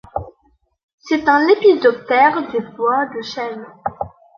C'est un lépidoptère des bois de chênes.